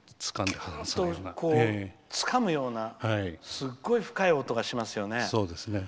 キュッとつかむようなすごい深い音がしますよね。